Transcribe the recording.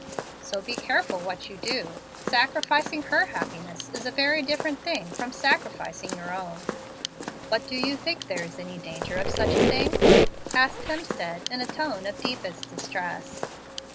So be careful what you do. Sacrificing her happiness is a very different thing from sacrificing your own." "But do you think there is any danger of such a thing?" asked Hemstead, in a tone of the deepest distress.